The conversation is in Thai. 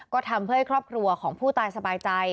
ก็ทำเพื่อให้ครอบครัวของผู้ตายสบายใจ